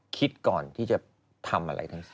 คิดก่อนที่จะทำอะไรทั้งสิ้น